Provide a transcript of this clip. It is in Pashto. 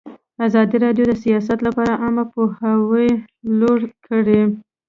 ازادي راډیو د سیاست لپاره عامه پوهاوي لوړ کړی.